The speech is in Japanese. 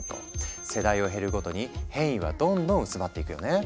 世代を経るごとに変異はどんどん薄まっていくよね。